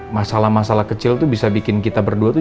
masalah masalah kecil tuh bisa bikin kita berdua tuh